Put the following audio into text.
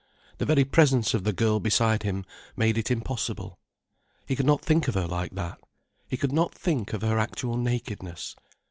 The very presence of the girl beside him made it impossible. He could not think of her like that, he could not think of her actual nakedness.